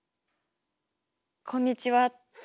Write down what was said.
「こんにちは」！